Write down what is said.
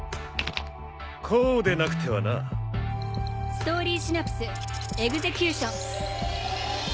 こうでなくてはな。ストーリーシナプスエグゼキューション。